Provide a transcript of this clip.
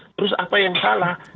terus apa yang salah